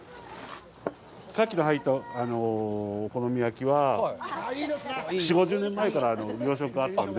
カキの入ったお好み焼きは４０５０年前から養殖があったので。